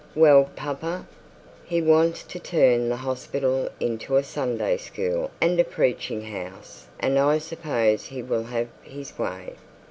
'Well, papa.' 'He wants to turn the hospital into a Sunday school and a preaching house; and I suppose he will have his way.